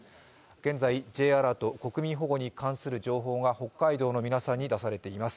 現在Ｊアラート、国民保護の情報に関わる情報が北海道の皆さんに出されています。